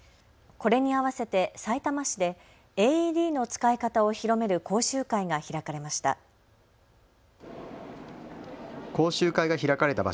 これに合わせてさいたま市でＡＥＤの使い方を広める講習会が開かれました。